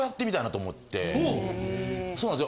そうなんですよ。